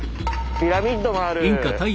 ピラミッドもある。